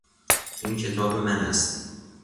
این کتاب من است.